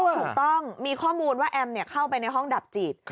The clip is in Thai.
ถูกต้องมีข้อมูลว่าแอมเข้าไปในห้องดับจิต